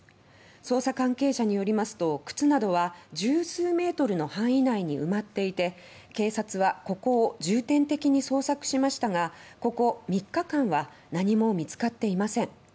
捜査関係者によりますと靴などは１０数メートルの範囲内に埋まっていて警察はここを重点的に捜索しましたがここ３日間は何も見つかっていません。